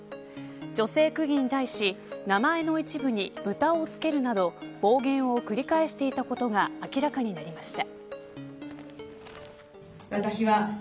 女性区議に対し名前の一部に豚を付けるなど暴言を繰り返していたことが明らかになりました。